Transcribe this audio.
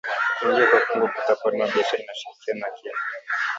Kuingia kwa Kongo kutapanua biashara na ushirikiano wa kieneo